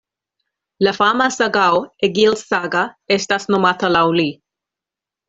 La fama sagao Egils-Saga estas nomata laŭ li.